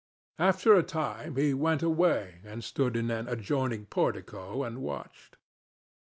After a time, he went away and stood in an adjoining portico and watched.